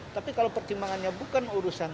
tapi kalau pertimbangannya bukan urusan